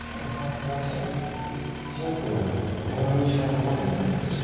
シンプルだけどとても印象に残るデザインですし。